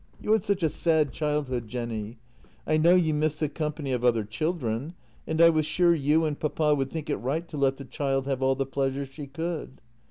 You had such a sad childhood, Jenny — I know you missed the company of other children, and I was sure you and papa would think it right to let the child have all the pleasure she could."